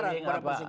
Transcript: poin saya adalah